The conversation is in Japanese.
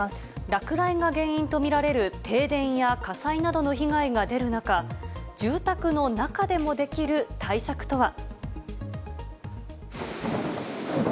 落雷が原因と見られる停電や火災などの被害が出る中、住宅の中でもできる対策とは。